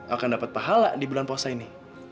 akan dapat pahala di bulan puasa ini